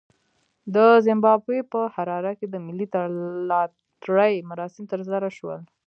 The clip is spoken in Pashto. د زیمبابوې په حراره کې د ملي لاټرۍ مراسم ترسره شول.